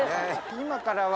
今からは。